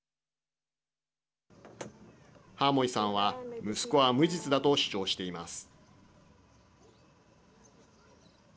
ハモイさんは息子は無実だと主張しています。